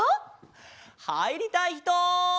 はいりたいひと？